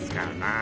あ！